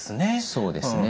そうですね。